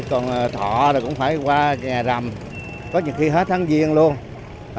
còn thọ thì cũng phải qua nhà rằm có nhiều khi hết tháng giêng luôn